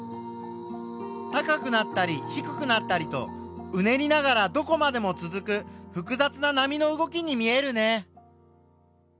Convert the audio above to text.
高くなったり低くなったりとうねりながらどこまでも続く複雑な波の動きに見えるね。